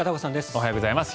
おはようございます。